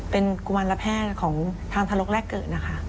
เป็นกุมารแพทย์ของทางทรกแรกเกิดนะคะ